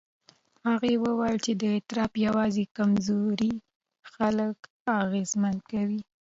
هغه وویل چې اضطراب یوازې کمزوري خلک اغېزمن کوي.